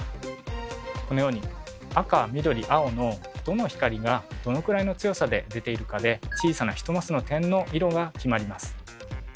このように赤緑青のどの光がどのくらいの強さで出ているかで小さな１マスの点の色が決まります。